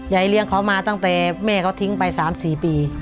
เลี้ยงเขามาตั้งแต่แม่เขาทิ้งไป๓๔ปี